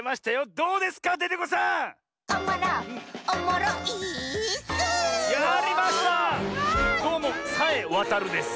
どうもさえわたるです。